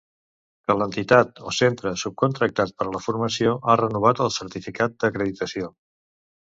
Que l'entitat o centre subcontractat per a la formació ha renovat el certificat d'acreditació.